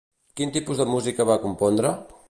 Quin tipus de música va compondre?